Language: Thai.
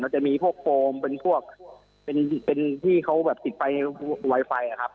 จะมีพวกโฟมเป็นพวกเป็นที่เขาแบบติดไฟในไวไฟอะครับ